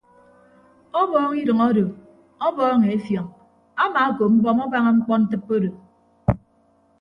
Ọbọọñ idʌñ odo ọbọọñ efiọñ amaakop mbọm abaña mkpọntịppe odo.